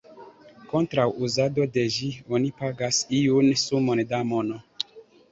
Kontraŭ uzado de ĝi oni pagas iun sumon da mono.